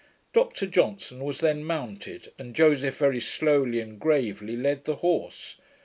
Dr Johnson was then mounted, and Joseph very slowly and gravely led the horse.